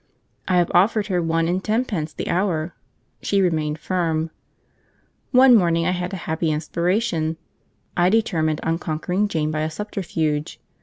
I have offered her one and tenpence the hour; she remained firm. One morning I had a happy inspiration; I determined on conquering Jane by a subterfuge.